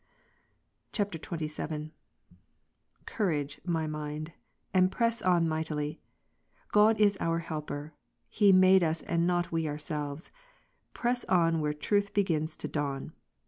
[XXVII.] 31. Courage, my mind, and press on mightily. , God is our helper. He made us, and not we ourselves. Press Ps. lOO, on where truth begins to dawn.